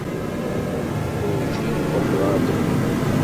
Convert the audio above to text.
Werǧin imuqel ɣer deffir.